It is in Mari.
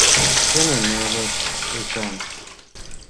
Чыным ойлет, Эчан.